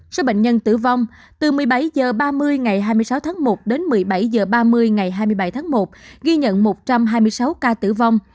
số bệnh nhân tử vong từ một mươi bảy h ba mươi ngày hai mươi sáu tháng một đến một mươi bảy h ba mươi ngày hai mươi bảy tháng một ghi nhận một trăm hai mươi sáu ca tử vong